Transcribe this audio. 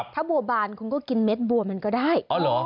ถ้าบัวบานคุณก็กินเม็ดบัวมันก็ได้